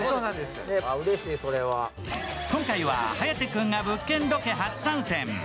今回は颯君が物件ロケ初参戦。